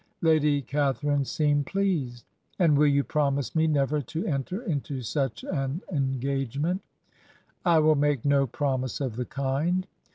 ' Lady Catharine seemed pleased. ' And will you promise me never to enter into such an engagement?' ' I will make no promise of the kind.